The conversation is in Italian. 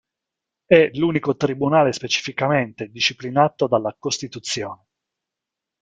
È l'unico tribunale specificamente disciplinato dalla Costituzione.